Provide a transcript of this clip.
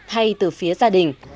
hay từ phía gia đình